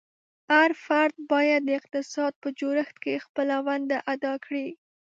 هر فرد باید د اقتصاد په جوړښت کې خپله ونډه ادا کړي.